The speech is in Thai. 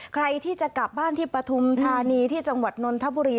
ใครที่จะกลับบ้านที่ปฐุมธานีที่จังหวัดนนทบุรี